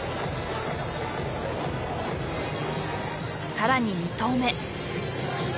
更に２投目。